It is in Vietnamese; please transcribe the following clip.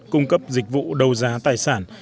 cung cấp dịch vụ đấu giá tài sản